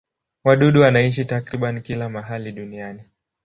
Wadudu wanaishi takriban kila mahali duniani.